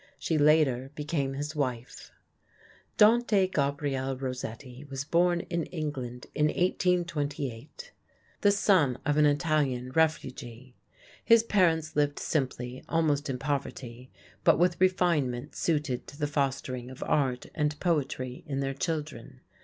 She later became his wife. Dante Gabriel Rossetti was born in England in 1828, the son of an Italian refugee. His parents lived simply, almost in poverty, but with refinement suited to the fostering of art and poetry in their children.